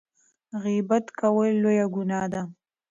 غیبت کول لویه ګناه ده.